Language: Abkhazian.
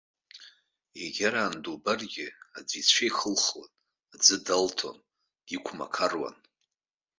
Егьараан дубаргьы аӡәы ицәа ихылхуан, аӡы далҭон, диқәмақаруан.